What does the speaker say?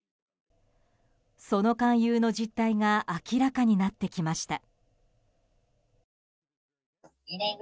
その勧誘の実態が明らかになってきました。